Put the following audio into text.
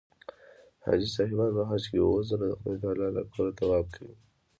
حاجي صاحبان په حج کې اووه ځله د خدای تعلی له کوره طواف کوي.